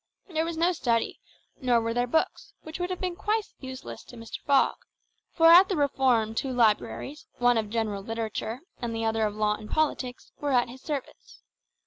There was no study, nor were there books, which would have been quite useless to Mr. Fogg; for at the Reform two libraries, one of general literature and the other of law and politics, were at his service.